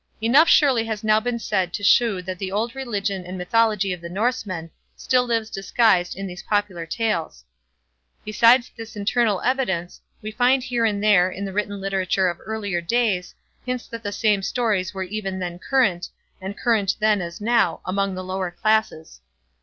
Enough surely has now been said to shew that the old religion and mythology of the Norseman still lives disguised in these popular tales. Besides this internal evidence, we find here and there, in the written literature of earlier days, hints that the same stories were even then current, and current then as now, among the lower classes.